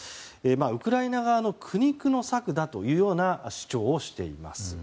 ウクライナ側の苦肉の策だというような主張をしています。